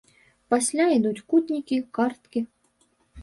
Пасля ідуць кутнікі, карткі.